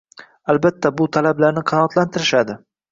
Albatta bu talablarni qanoatlantirishadi